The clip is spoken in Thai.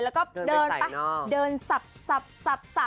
แล้วก็เดินไปสับ